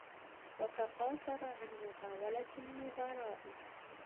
وَتَقَاصَرَ عَنْ مُطَاوَلَةِ النُّظَرَاءِ